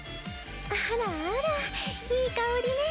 あらあらいい香りね。